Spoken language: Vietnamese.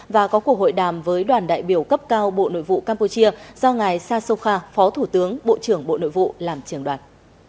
và có cuộc hội đàm với đoàn đại biểu cấp cao bộ nội vụ campuchia do ngài sasoka phó thủ tướng bộ trưởng bộ nội vụ làm trường đoàn